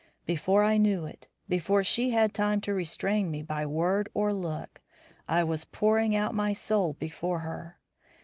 Before I knew it; before she had time to restrain me by word or look, I was pouring out my soul before her.